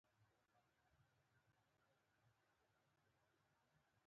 بزګر ته خوله افتخار ده